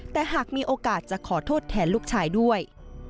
แต่หากมีโอกาสจะขอโทษแทนลูกชายด้วย